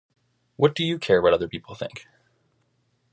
What Do You Care What Other People Think?